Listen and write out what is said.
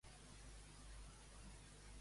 El que ho escolta i revisa, també és bona persona.